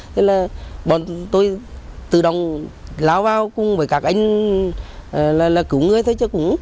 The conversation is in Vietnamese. thế là bọn tôi tự động láo vào cùng với các anh là cứu người thôi chứ cũng